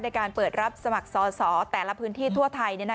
ในการเปิดรับสมัครสอสอแต่ละพื้นที่ทั่วไทย